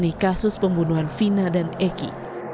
ini kasus pembunuhan fina dan eki